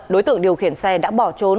đối tượng điều khiển xe đã bỏ trốn